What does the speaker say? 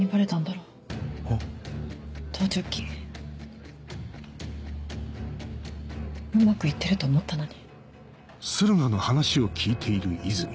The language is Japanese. うまくいってると思ったのに。